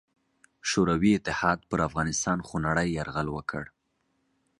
شوروي اتحاد پر افغانستان خونړې یرغل وکړ.